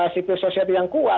siklus sosial yang kuat